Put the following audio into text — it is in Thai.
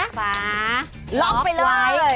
ปิดฝาล็อคไปเลยล็อคไว้